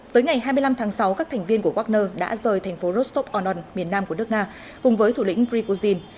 tới ngày hai mươi năm tháng sáu các thành viên của wagner đã rời thành phố rostov on don miền nam của nước nga cùng với thủ lĩnh prigozhin